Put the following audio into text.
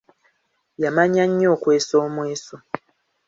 Yamanya nnyo okwesa omweso.